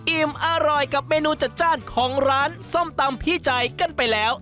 อิ่มอร่อยกับเมนูจัดจ้านของร้านส้มตำพี่ใจกันไปแล้ว